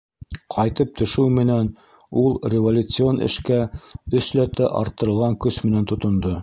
Ҡайтып төшөү менән ул революцион эшкә өсләтә арттырылған көс менән тотондо.